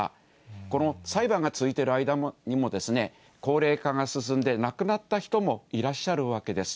この裁判が続いている間にも、高齢化が進んで、亡くなった人もいらっしゃるわけです。